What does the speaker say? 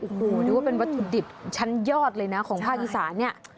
โอ้โหนึกว่าเป็นวัตถุดิบชั้นยอดเลยนะของภาคอีสานเนี่ย